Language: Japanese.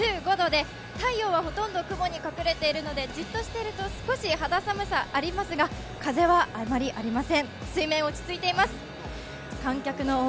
現在の気温１５度で、太陽はほとんど雲に隠れているのでじっとしていると少し肌寒さありますが、風はあまりありません。